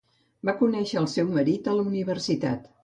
Va conèixer al seu marit a la universitat.